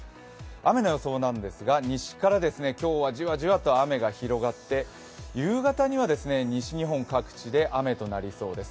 雨の予想なんですが、西から今日はじわじわと雨が広がって夕方には西日本各地で雨となりそうです。